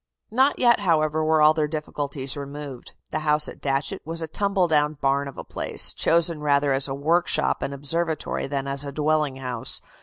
Not yet, however, were all their difficulties removed. The house at Datchet was a tumble down barn of a place, chosen rather as a workshop and observatory than as a dwelling house.